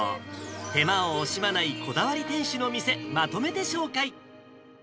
手間を惜しまないこだわり店主の店、まとめて紹介。